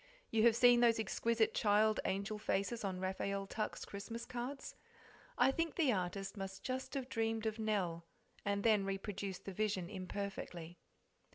You have seen those exquisite child angel faces on Raphael Tuck's Christmas cards? I think the artist must just have dreamed of Nell, and then reproduced the vision imperfectly.